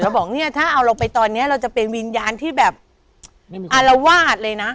บอกเนี่ยถ้าเอาเราไปตอนนี้เราจะเป็นวิญญาณที่แบบอารวาสเลยนะ